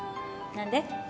何で？